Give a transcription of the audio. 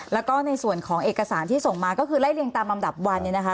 แล้วก็ในส่วนของเอกสารที่ส่งมาก็คือไล่เรียงตามลำดับวันเนี่ยนะคะ